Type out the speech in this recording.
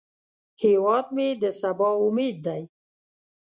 هیواد مې د سبا امید دی